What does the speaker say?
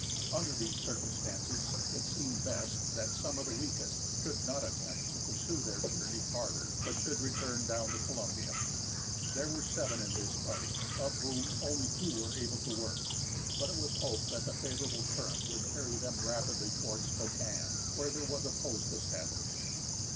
Under these circumstances, it seemed best that some of the weakest should not attempt to pursue their journey farther, but should return down the Columbia. There were seven in this party, of whom only two were able to work, but it was hoped that the favorable current would carry them rapidly towards Spokane, where there was a post established.